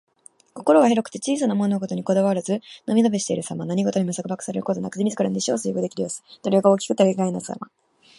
心が広くて小さな物事にこだわらず、のびのびしているさま。何事にも束縛されることなく、自らの意志を遂行できる様子。度量が大きく、頼りがいのあるさま。